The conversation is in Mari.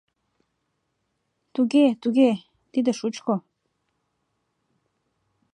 Туге, туге, тиде шучко: